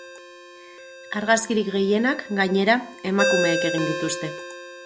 Argazkirik gehienak, gainera, emakumeek egin dituzte.